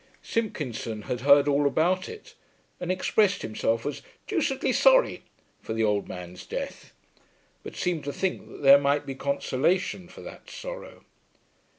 Simpkinson had heard all about it, and expressed himself as "deucedly sorry" for the old man's death, but seemed to think that there might be consolation for that sorrow.